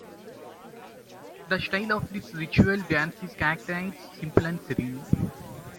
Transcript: The style of this ritual dance is characterized simple and serene.